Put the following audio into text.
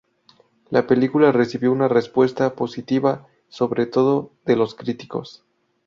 La película recibió una respuesta positiva, sobre todo de los críticos.